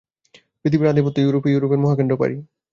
পৃথিবীর আধিপত্য ইউরোপে, ইউরোপের মহাকেন্দ্র পারি।